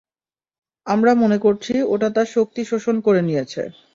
আমরা মনে করছি ওটা তার শক্তি শোষণ করে নিয়েছে।